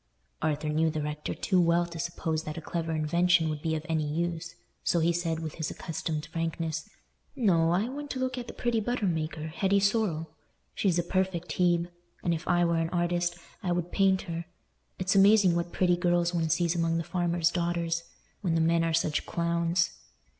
Arthur knew the rector too well to suppose that a clever invention would be of any use, so he said, with his accustomed frankness, "No, I went to look at the pretty butter maker Hetty Sorrel. She's a perfect Hebe; and if I were an artist, I would paint her. It's amazing what pretty girls one sees among the farmers' daughters, when the men are such clowns.